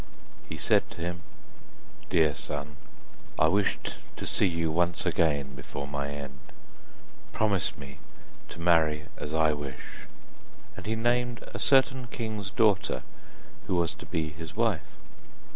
He said to him: 'Dear son, I wished to see you once again before my end, promise me to marry as I wish,' and he named a certain king's daughter who was to be his wife.